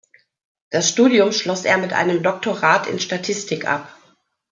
Das Studium schloss er mit einem Doktorat in Statistik ab.